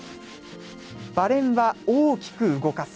バレンは、大きく動かす。